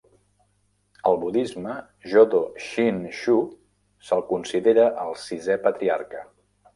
Al budisme Jodo Shinshu, se'l considera el sisè patriarca.